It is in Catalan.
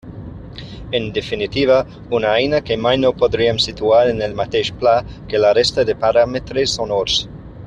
En definitiva: una eina que mai no podríem situar en el mateix pla que la resta de paràmetres sonors.